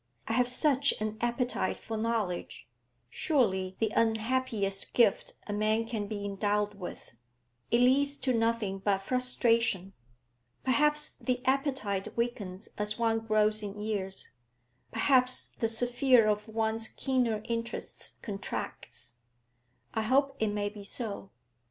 I have such an appetite for knowledge, surely the unhappiest gift a man can be endowed with; it leads to nothing but frustration. Perhaps the appetite weakens as one grows in years; perhaps the sphere of one's keener interests contracts; I hope it may be so.